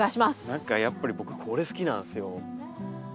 何かやっぱり僕これ好きなんですよ。